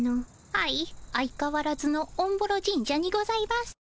はい相かわらずのおんぼろ神社にございます。